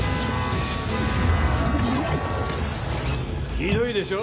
ひどいでしょ？